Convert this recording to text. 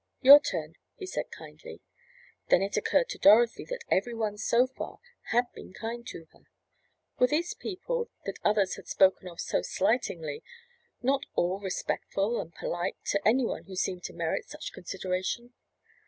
"Your turn," he said kindly. Then it occurred to Dorothy that every one so far had been kind to her. Were these people, that others had spoken of so slightingly, not all respectful and polite to any one who seemed to merit such consideration?